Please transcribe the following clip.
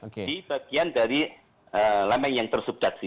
di bagian dari lempeng yang tersubduksi